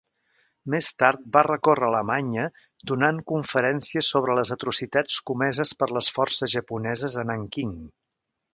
Més tard va recórrer Alemanya donant conferències sobre les atrocitats comeses per les forces japoneses a Nanking.